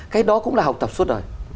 cái đó cũng là học tập suốt đời